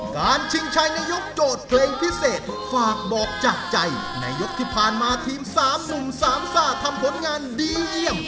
ชิงชัยในยกโจทย์เพลงพิเศษฝากบอกจากใจในยกที่ผ่านมาทีม๓หนุ่มสามซ่าทำผลงานดีเยี่ยม